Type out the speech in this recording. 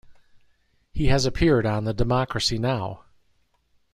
He has appeared on the Democracy Now!